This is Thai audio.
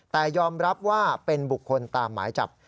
แต่ยอมรับว่าเป็นบุคคลตามหมายจับ